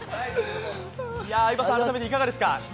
相葉さん、改めていかがですか？